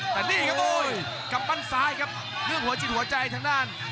แต่นี่ครับโอ้ยกำปั้นซ้ายครับเรื่องหัวจิตหัวใจทางด้าน